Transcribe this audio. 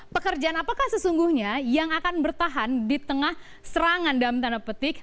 pekerjaan apakah sesungguhnya yang akan bertahan di tengah serangan dalam tanda petik